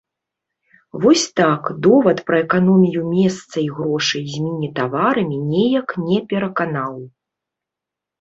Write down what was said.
Вось так, довад пра эканомію месца і грошай з міні-таварамі неяк не пераканаў.